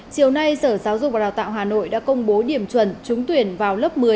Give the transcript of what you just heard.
chiều nay sở giáo dục và đào tạo hà nội đã công bố điểm chuẩn trúng tuyển vào lớp một mươi